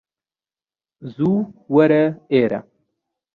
زوو وەرە ئێرە